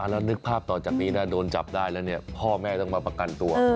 แล้วนึกภาพต่อจากนี้นะโดนจับได้แล้วเนี่ยพ่อแม่ต้องมาประกันตัว